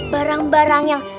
barang barang yang